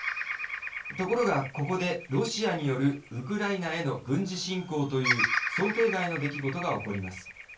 ところがここで、ロシアによるウクライナへの軍事侵攻という想定外の出来事が起こります。